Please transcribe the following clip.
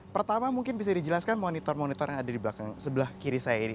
pertama mungkin bisa dijelaskan monitor monitor yang ada di belakang sebelah kiri saya ini